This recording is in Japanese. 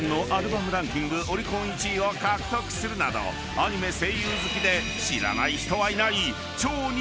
［アニメ声優好きで知らない人はいない］